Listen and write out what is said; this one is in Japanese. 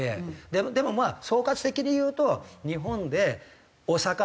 でもまあ総括的に言うと。